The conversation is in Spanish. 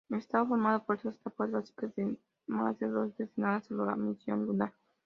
Estaba formado por tres etapas básicas más dos destinadas a la misión lunar.